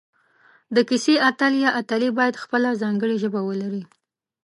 د کیسې اتل یا اتلې باید خپله ځانګړي ژبه ولري